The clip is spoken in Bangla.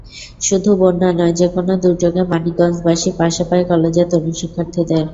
শুধু বন্যা নয়, যেকোনো দুর্যোগে মানিকগঞ্জবাসী পাশে পায় কলেজের তরুণ শিক্ষার্থীদের।